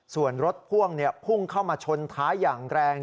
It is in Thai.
ส่วนรถพ่วงพุ่งเข้ามาชนท้ายอย่างแรง